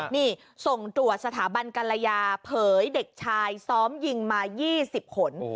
นี่ส่งตรวจสถาบันกรยาเผยเด็กชายซ้อมยิงมา๒๐ขน